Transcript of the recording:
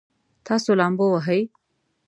تاسو لامبو وهئ؟